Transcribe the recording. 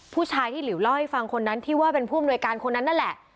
ผู้ชายที่หลิวเล่าให้ฟังที่ว่าเป็นผู้มนวยการคนนั้นแหละ